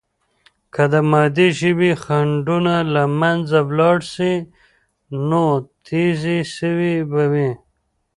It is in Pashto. که د مادی ژبې خنډونه له منځه ولاړ سي، نو تیزي سوې به وي.